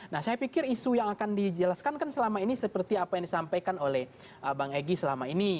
nah saya pikir isu yang akan dijelaskan kan selama ini seperti apa yang disampaikan oleh bang egy selama ini